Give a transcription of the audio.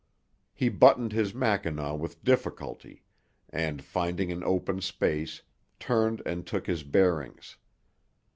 He buttoned his mackinaw with difficulty and, finding an open space, turned and took his bearings.